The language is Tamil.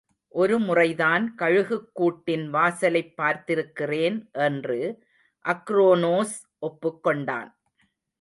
ஒருமுறைதான் கழுகுக்கூட்டின் வாசலைப் பார்த்திருக்கிறேன் என்று அக்ரோனோஸ் ஒப்புக்கொண்டான்.